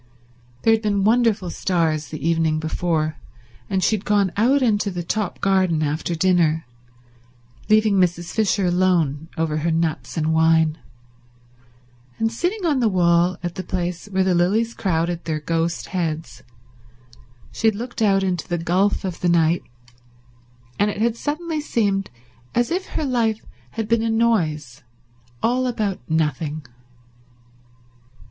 There had been wonderful stars the evening before, and she had gone out into the top garden after dinner, leaving Mrs. Fisher alone over her nuts and wine, and, sitting on the wall at the place where the lilies crowded their ghost heads, she had looked out into the gulf of the night, and it had suddenly seemed as if her life had been a noise all about nothing.